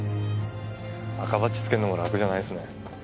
赤バッジつけるのも楽じゃないっすね。